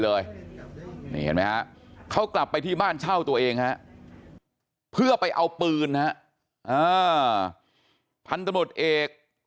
เลยเขากลับไปที่บ้านเช่าตัวเองเพื่อไปเอาปืนพันธุ์นดเอก